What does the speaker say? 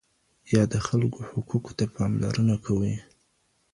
يا د خلکو حقوقو ته پاملرنه کوي،